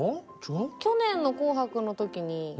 去年の「紅白」の時に。